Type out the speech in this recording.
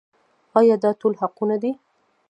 آیا دا ټول حقونه دي؟